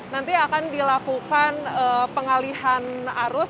nanti akan dilakukan pengalihan arus